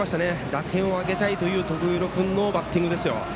打点を挙げたいという徳弘君のバッティングですよ。